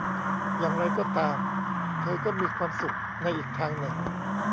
อย่างไรก็ตามเธอก็มีความสุขในอีกทางหนึ่ง